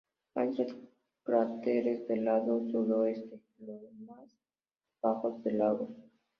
Hay tres cráteres del lado sudoeste; los más bajos son lagos.